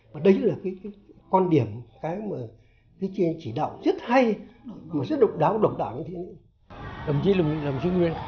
và đấy là cái con điểm cái chỉ đạo rất hay mà rất độc đáo độc đẳng như thế này